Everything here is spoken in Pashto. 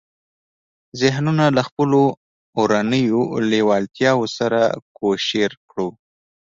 ذهنونه له خپلو اورنيو لېوالتیاوو سره کوشير کړو.